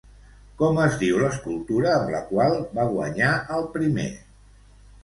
Com es diu l'escultura amb la qual va guanyar el primer?